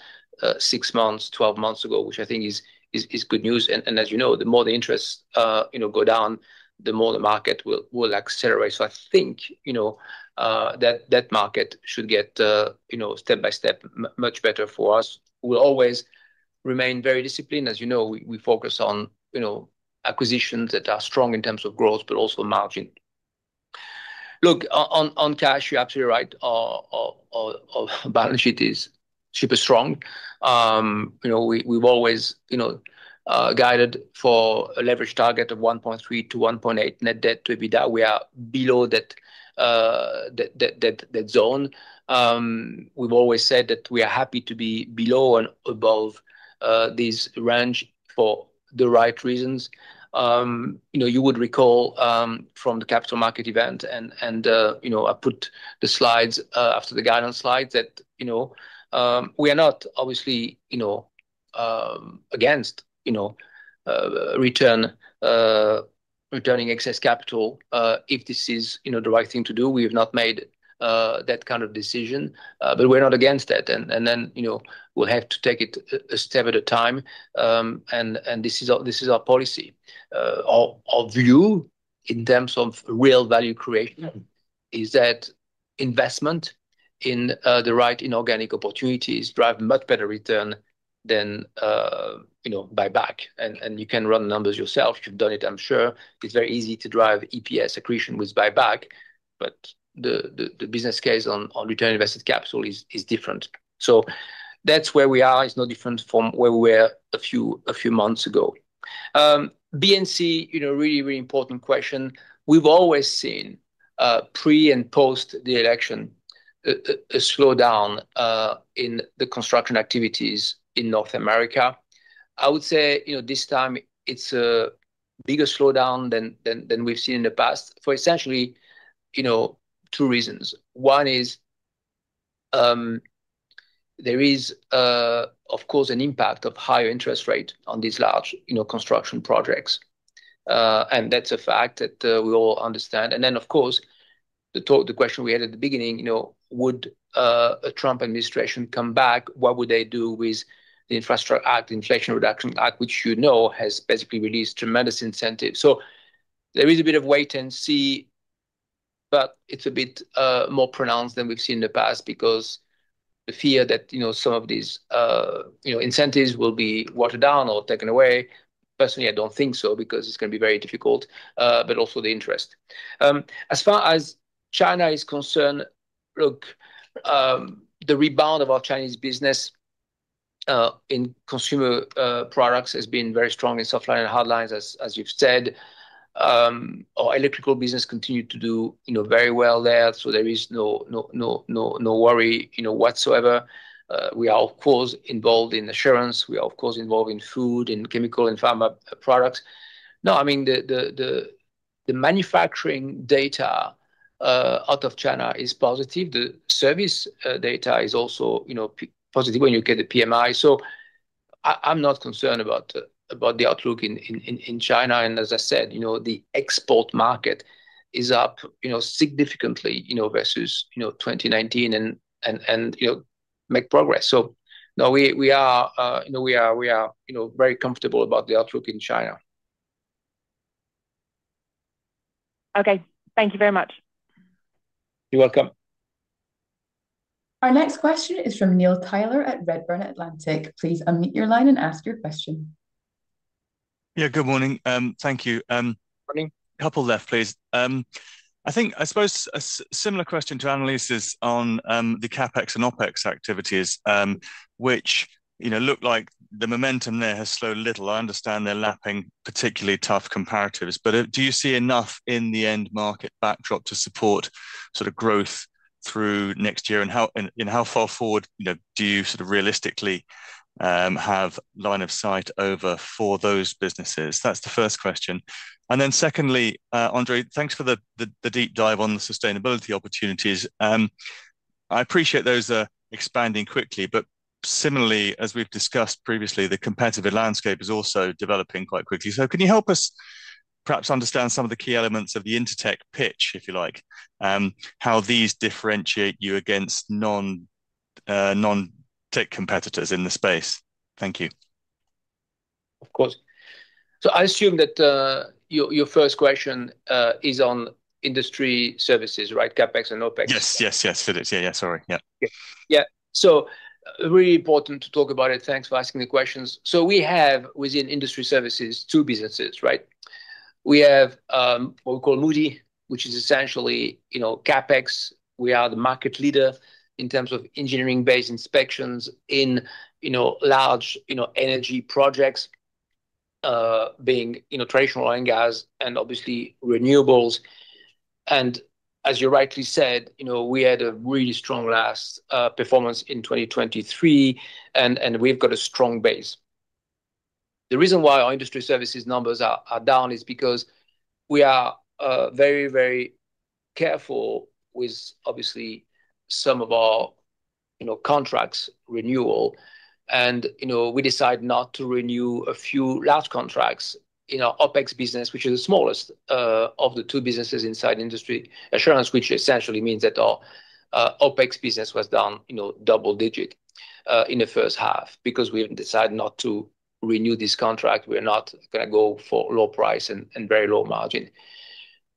6 months, 12 months ago, which I think is good news. And as you know, the more the interests go down, the more the market will accelerate. So I think that market should get step by step much better for us. We'll always remain very disciplined. As you know, we focus on acquisitions that are strong in terms of growth, but also margin. Look, on cash, you're absolutely right. Balance sheet is super strong. We've always guided for a leverage target of 1.3-1.8 net debt to EBITDA. We are below that zone. We've always said that we are happy to be below and above this range for the right reasons. You would recall from the capital market event, and I put the slides after the guidance slides that we are not obviously against returning excess capital if this is the right thing to do. We have not made that kind of decision, but we're not against that. And then we'll have to take it a step at a time. And this is our policy. Our view in terms of real value creation is that investment in the right inorganic opportunities drive much better return than buyback. And you can run the numbers yourself. You've done it, I'm sure. It's very easy to drive EPS accretion with buyback, but the business case on return on invested capital is different. So that's where we are. It's no different from where we were a few months ago. B&C, really, really important question. We've always seen pre and post the election a slowdown in the construction activities in North America. I would say this time it's a bigger slowdown than we've seen in the past for essentially two reasons. One is there is, of course, an impact of higher interest rates on these large construction projects. And that's a fact that we all understand. And then, of course, the question we had at the beginning, would a Trump administration come back? What would they do with the Inflation Reduction Act, which you know has basically released tremendous incentives? So there is a bit of wait and see, but it's a bit more pronounced than we've seen in the past because the fear that some of these incentives will be watered down or taken away. Personally, I don't think so because it's going to be very difficult, but also the interest. As far as China is concerned, look, the rebound of our Chinese business in Consumer Products has been very strong in softline and hardlines, as you've said. Our Electrical business continued to do very well there. So there is no worry whatsoever. We are, of course, involved in assurance. We are, of course, involved in Food and Chemical and Pharma products. No, I mean, the manufacturing data out of China is positive. The service data is also positive when you get the PMI. So I'm not concerned about the outlook in China. And as I said, the export market is up significantly versus 2019 and making progress. So no, we are very comfortable about the outlook in China. Okay. Thank you very much. You're welcome. Our next question is from Neil Tyler at Redburn Atlantic. Please unmute your line and ask your question. Yeah. Good morning. Thank you. Morning. A couple left, please. I suppose a similar question to Annelies's on the CapEx and OpEx activities, which look like the momentum there has slowed a little. I understand they're lapping particularly tough comparatives. But do you see enough in the end market backdrop to support sort of growth through next year? And how far forward do you sort of realistically have line of sight over for those businesses? That's the first question. And then secondly, André, thanks for the deep dive on the sustainability opportunities. I appreciate those are expanding quickly. But similarly, as we've discussed previously, the competitive landscape is also developing quite quickly. So can you help us perhaps understand some of the key elements of the Intertek pitch, if you like, how these differentiate you against non-tech competitors in the space? Thank you. Of course. So I assume that your first question is on Industry Services, right? CapEx and OpEx. Yes, yes, yes. Yeah, yeah. Sorry. Yeah. Yeah. So really important to talk about it. Thanks for asking the questions. So we have within Industry Services two businesses, right? We have what we call Moody, which is essentially CapEx. We are the market leader in terms of engineering-based inspections in large energy projects being traditional oil and gas and obviously renewables. And as you rightly said, we had a really strong last performance in 2023, and we've got a strong base. The reason why our Industry Services numbers are down is because we are very, very careful with obviously some of our contracts renewal. We decide not to renew a few large contracts in our OpEx business, which is the smallest of the two businesses inside industry assurance, which essentially means that our OpEx business was down double-digit in the first half because we decide not to renew this contract. We're not going to go for low price and very low margin.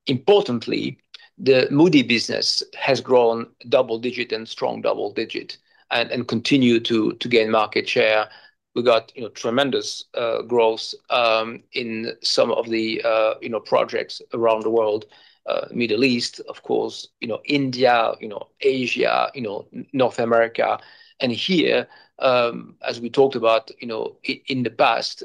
Importantly, the Moody business has grown double-digit and strong double-digit and continued to gain market share. We got tremendous growth in some of the projects around the world, Middle East, of course, India, Asia, North America. And here, as we talked about in the past,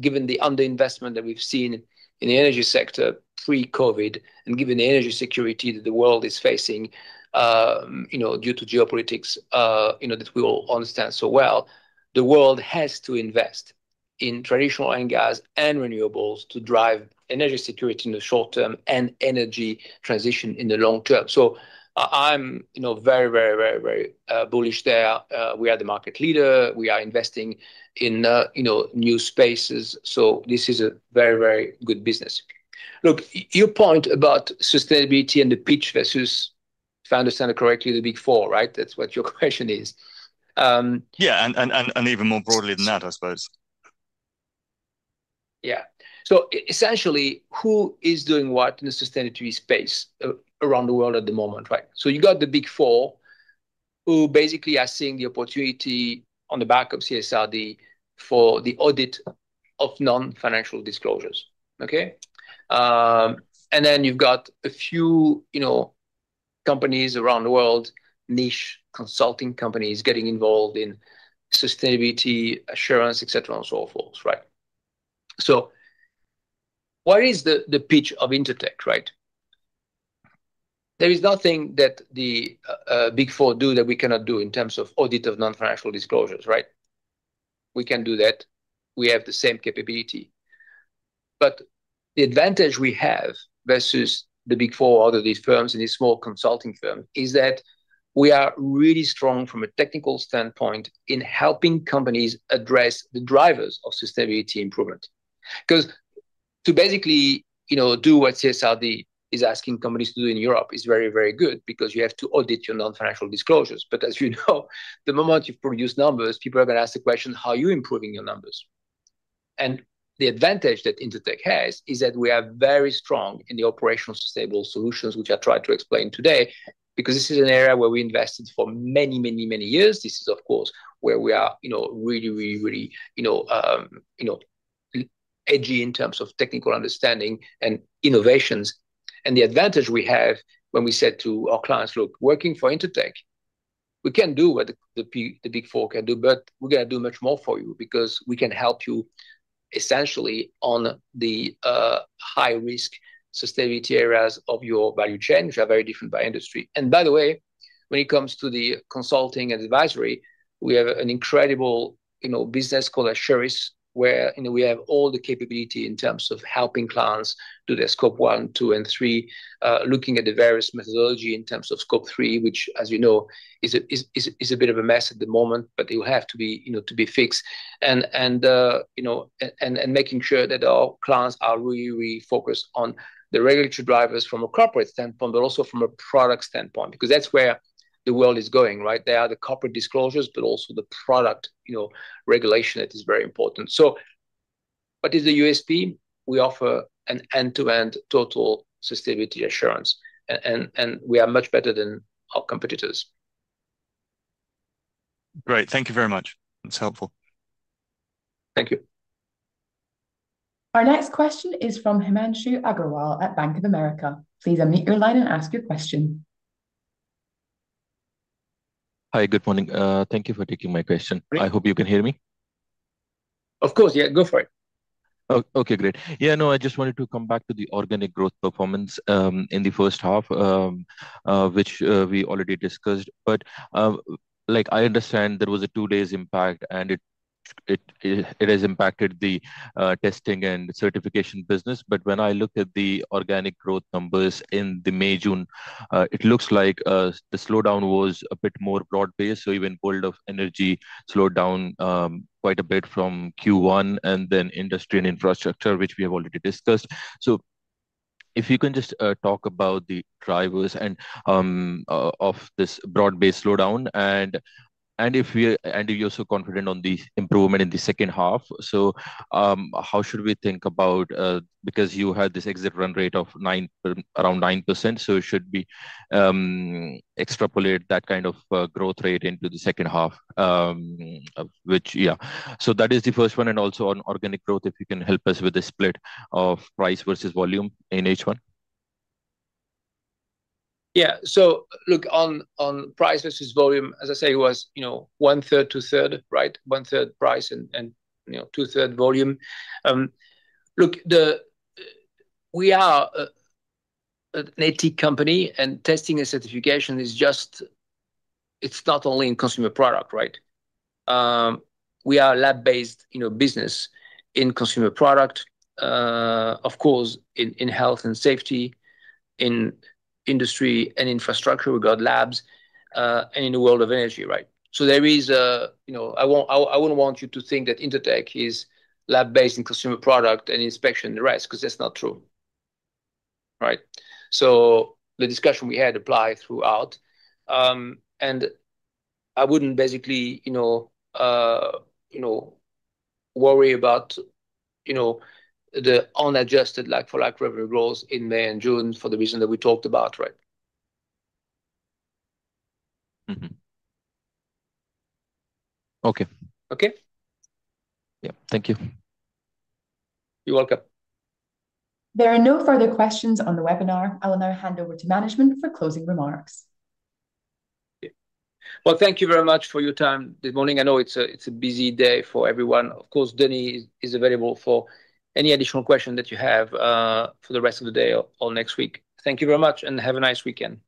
given the underinvestment that we've seen in the energy sector pre-COVID and given the energy security that the world is facing due to geopolitics that we all understand so well, the world has to invest in traditional oil and gas and renewables to drive energy security in the short term and energy transition in the long term. So I'm very, very, very, very bullish there. We are the market leader. We are investing in new spaces. So this is a very, very good business. Look, your point about sustainability and the pitch versus, if I understand it correctly, the Big Four, right? That's what your question is. Yeah. And even more broadly than that, I suppose. Yeah. So essentially, who is doing what in the sustainability space around the world at the moment, right? So you've got the Big Four who basically are seeing the opportunity on the back of CSRD for the audit of non-financial disclosures. Okay? And then you've got a few companies around the world, niche consulting companies getting involved in sustainability assurance, etc., and so forth, right? So what is the pitch of Intertek, right? There is nothing that the Big Four do that we cannot do in terms of audit of non-financial disclosures, right? We can do that. We have the same capability. But the advantage we have versus the Big Four, all of these firms and these small consulting firms is that we are really strong from a technical standpoint in helping companies address the drivers of sustainability improvement. Because to basically do what CSRD is asking companies to do in Europe is very, very good because you have to audit your non-financial disclosures. But as you know, the moment you've produced numbers, people are going to ask the question, how are you improving your numbers? The advantage that Intertek has is that we are very strong in the operational sustainable solutions, which I tried to explain today, because this is an area where we invested for many, many, many years. This is, of course, where we are really, really, really edgy in terms of technical understanding and innovations. The advantage we have when we said to our clients, "Look, working for Intertek, we can do what the Big Four can do, but we're going to do much more for you because we can help you essentially on the high-risk sustainability areas of your value chain, which are very different by industry." By the way, when it comes to the consulting and advisory, we have an incredible business called Assurance, where we have all the capability in terms of helping clients do their Scope 1, 2, and 3, looking at the various methodology in terms of Scope 3, which, as you know, is a bit of a mess at the moment, but it will have to be fixed. Making sure that our clients are really, really focused on the regulatory drivers from a corporate standpoint, but also from a product standpoint, because that's where the world is going, right? They are the corporate disclosures, but also the product regulation that is very important. So what is the USP? We offer an end-to-end total sustainability assurance, and we are much better than our competitors. Great. Thank you very much. It's helpful. Thank you. Our next question is from Himanshu Agarwal at Bank of America. Please unmute your line and ask your question. Hi. Good morning. Thank you for taking my question. I hope you can hear me. Of course. Yeah. Go for it. Okay. Great. Yeah. No, I just wanted to come back to the organic growth performance in the first half, which we already discussed. But I understand there was a two-day impact, and it has impacted the testing and certification business. But when I look at the organic growth numbers in the May-June, it looks like the slowdown was a bit more broad-based. So even World of Energy slowed down quite a bit from Q1 and then industry and infrastructure, which we have already discussed. So if you can just talk about the drivers of this broad-based slowdown and if you're so confident on the improvement in the second half, so how should we think about because you had this exit run rate of around 9%? So it should be extrapolated that kind of growth rate into the second half, which, yeah. So that is the first one. And also on organic growth, if you can help us with the split of price versus volume in each one. Yeah. So look, on price versus volume, as I say, it was 1/3, 2/3, right? 1/3 price and 2/3 volume. Look, we are an ATIC company and testing and certification is just it's not only in consumer product, right? We are a lab-based business in consumer product, of course, in health and safety, in industry and infrastructure. We've got labs and in the world of energy, right? So there is a I wouldn't want you to think that Intertek is lab-based in consumer product and inspection and the rest because that's not true, right? So the discussion we had applied throughout. And I wouldn't basically worry about the unadjusted for revenue growth in May and June for the reason that we talked about, right? Okay. Okay? Yeah. Thank you. You're welcome. There are no further questions on the webinar. I will now hand over to management for closing remarks. Well, thank you very much for your time this morning. I know it's a busy day for everyone. Of course, Denis is available for any additional questions that you have for the rest of the day or next week. Thank you very much and have a nice weekend.